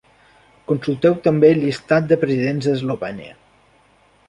Consulteu també el llistat de presidents d"Eslovènia.